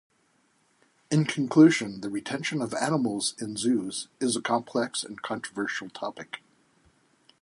In conclusion, the retention of animals in zoos is a complex and controversial topic.